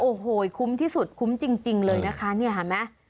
โอ้โหคุ้มที่สุดคุ้มจริงเลยนะคะเนี่ยเห็นไหม